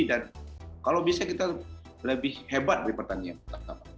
dan kalau bisa kita lebih hebat di pertandingan pertama